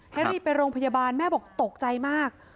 ให้รีบไปโรงพยาบาลแม่บอกตกใจมาก